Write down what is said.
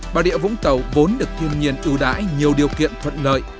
bà địa vũng tàu vốn được thiên nhiên ưu đãi nhiều điều kiện thuận lợi